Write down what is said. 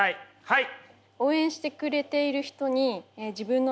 はい。